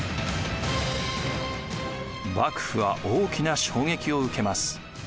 幕府は大きな衝撃を受けます。